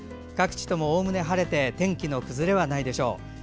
各地とも、おおむね晴れて天気の崩れはないでしょう。